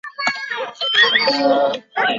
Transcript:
属新州。